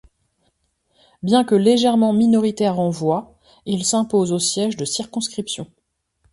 Bien que légèrement minoritaire en voix, il s'impose aux sièges de circonscriptions.